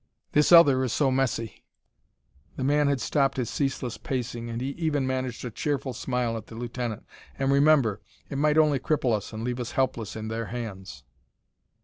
"This other is so messy." The man had stopped his ceaseless pacing, and he even managed a cheerful smile at the lieutenant. "And, remember, it might only cripple us and leave us helpless in their hands."